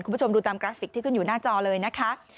คุณผู้ชมดูตามกราฟิกที่ขึ้นอยู่หน้าจอเลยนะคะ